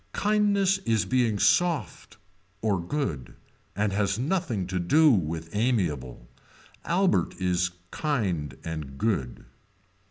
Kindness is being soft or good and has nothing to do with amiable. Albert is kind and good.